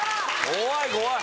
怖い怖い。